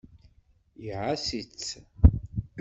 Ɛass-itt.